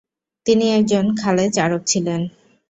তিনি একজন খালেছ আরব ছিলেন।